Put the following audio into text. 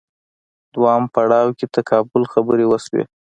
دویم پړاو کې تقابل خبرې وشوې